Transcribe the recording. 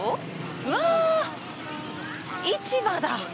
うわ、市場だ！